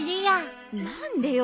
何でよ？